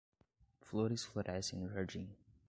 Flores florescem no jardim.